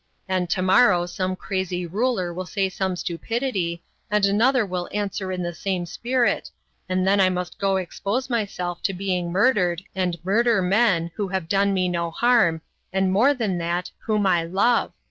and to morrow some crazy ruler will say some stupidity, and another will answer in the same spirit, and then I must go expose myself to being murdered, and murder men who have done me no harm and more than that, whom I love.